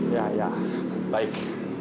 ya ya baik